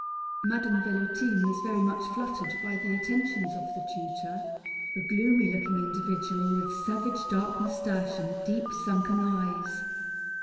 Madame Véloutine was very much fluttered by the attentions of the tutor, a gloomy looking individual with savage dark mustache and deep sunken eyes.